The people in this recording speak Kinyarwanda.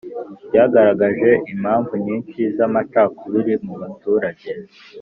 ryagaragaje impamvu nyinshi z'amacakubiri mu baturage